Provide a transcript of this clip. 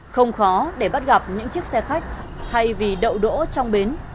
không khó để bắt gặp những chiếc xe khách thay vì đậu đỗ trong bến